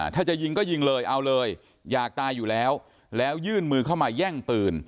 ถ้าจะยิงก็ยิงเลยเอาเลยอยากตายอยู่แล้วแล้วยื่นมือเข้ามาแย่งปืน